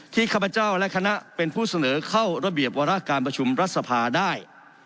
ข้าพเจ้าและคณะเป็นผู้เสนอเข้าระเบียบวาระการประชุมรัฐสภาได้